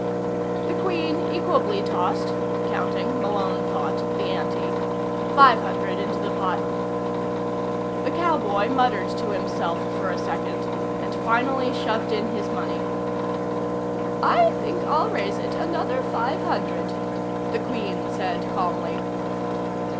The Queen equably tossed (counting, Malone thought, the ante) five hundred into the pot. The cowboy muttered to himself for a second, and finally shoved in his money. "I think I'll raise it another five hundred," the Queen said calmly.